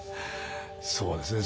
そうですね